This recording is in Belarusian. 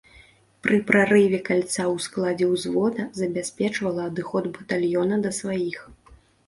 Пры прарыве кальца ў складзе ўзвода забяспечвала адыход батальёна да сваіх.